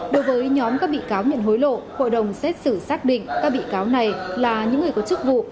đối với nhóm các bị cáo nhận hối lộ hội đồng xét xử xác định các bị cáo này là những người có chức vụ